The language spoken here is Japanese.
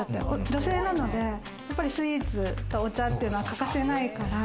女性なので、スイーツとお茶っていうのは欠かせないから。